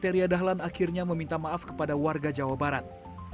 teria dahlan akhirnya meminta maaf kepada warga jawa barat